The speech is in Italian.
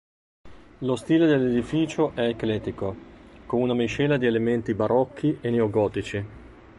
Lo stile dell'edificio è eclettico, con una miscela di elementi barocchi e neogotici.